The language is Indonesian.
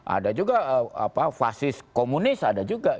ada juga fasis komunis ada juga